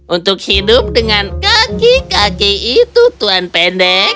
untuk hidup dengan kaki kaki itu tuan pendek